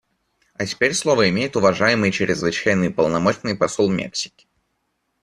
А теперь слово имеет уважаемый Чрезвычайный и Полномочный Посол Мексики.